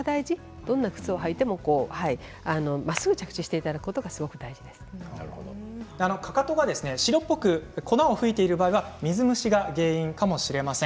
どんな靴を履いてもまっすぐ着地かかとが白っぽく粉をふいている場合は水虫が原因かもしれません。